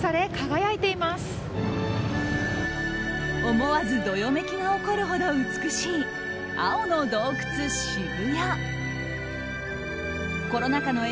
思わずどよめきが起こるほど美しい青の洞窟ＳＨＩＢＵＹＡ。